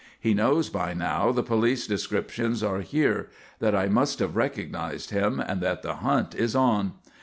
He knows by now the police descriptions are here; that I must have recognised him, and that the hunt is on.